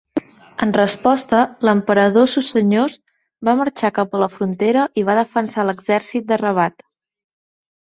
En resposta, l'emperador Susenyos va marxar cap a la frontera i va defensar l'exèrcit de Rabat.